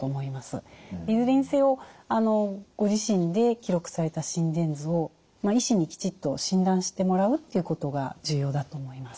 いずれにせよご自身で記録された心電図を医師にきちっと診断してもらうっていうことが重要だと思います。